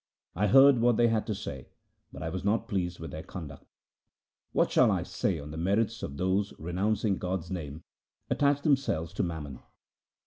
I heard what they had to say, but I was not pleased with their conduct. What shall I say of the merits of those who renouncing God's name attach themselves to mammon